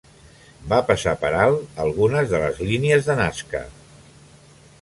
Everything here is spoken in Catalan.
Va passar per alt algunes de les línies de Nazca.